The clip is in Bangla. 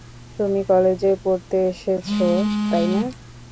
তুমি কলেজে পড়তে এসেছ, তাই না?